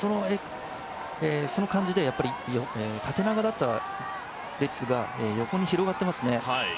その感じで縦長だった列が横に広がっていますね。